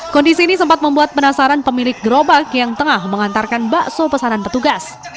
kondisi ini sempat membuat penasaran pemilik gerobak yang tengah mengantarkan bakso pesanan petugas